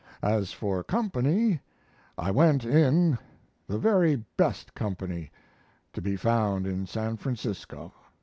As for company, I went in the very best company to be found in San Francisco.